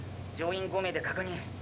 乗員５名で確認。